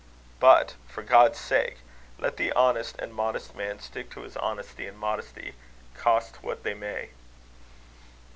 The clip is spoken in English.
But, for God's sake! let the honest and modest man stick to his honesty and modesty, cost what they may.